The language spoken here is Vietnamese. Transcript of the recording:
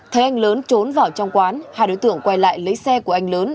thấy anh lớn trốn vào trong quán hai đối tượng quay lại lấy xe của anh lớn